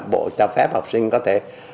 bộ cho phép học sinh có thể